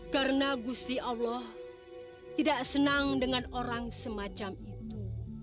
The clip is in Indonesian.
karena gusti allah tidak senang dengan orang semacam itu